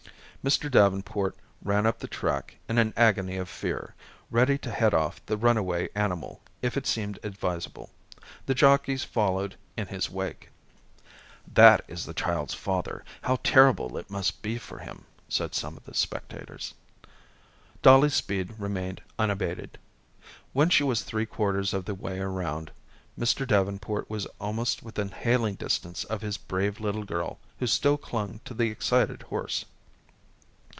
Mr. Davenport ran up the track in an agony of fear, ready to head off the runaway animal if it seemed advisable. The jockeys followed in his wake. "That is the child's father. How terrible it must be for him," said some of the spectators. Dollie's speed remained unabated. When she was three quarters of the way around, Mr. Davenport was almost within hailing distance of his brave little girl who still clung to the excited horse.